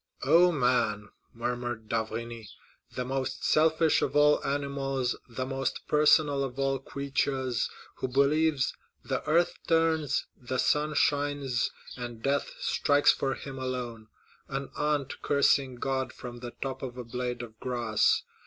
"Oh, man!" murmured d'Avrigny, "the most selfish of all animals, the most personal of all creatures, who believes the earth turns, the sun shines, and death strikes for him alone,—an ant cursing God from the top of a blade of grass!